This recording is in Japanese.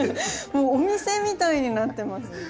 もうお店みたいになってますね。